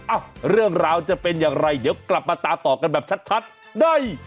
อ้าวเรื่องราวจะเป็นอย่างไรเดี๋ยวกลับมาตามต่อกันแบบชัดได้